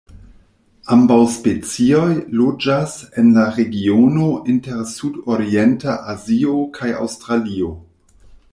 Ambaŭ specioj loĝas en la regiono inter sudorienta Azio kaj Aŭstralio.